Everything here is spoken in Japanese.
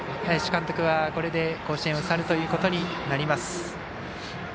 林監督はこれで甲子園を去るということになります。